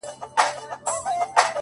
دا کیسه موږ ته را پاته له پېړیو-